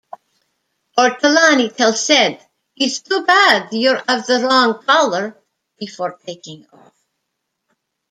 Ortolani tells Said, "It's too bad you're of the wrong color," before taking off.